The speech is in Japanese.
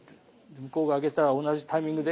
向こうが上げたら同じタイミングで。